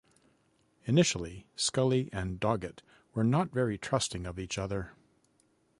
Initially, Scully and Doggett were not very trusting of each other.